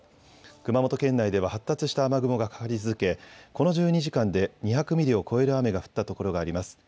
熊本県内では発達した雨雲がかかり続けこの１２時間で２００ミリを超える雨が降った所があります。